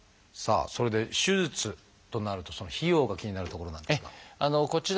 さあそれで手術となるとその費用が気になるところなんですが。